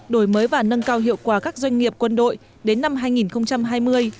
đổi mới và nâng cao hiệu quả các doanh nghiệp quân đội đến năm hai nghìn hai mươi